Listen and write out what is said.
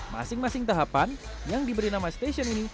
masing masing tahapan yang diberi nama stasiun ini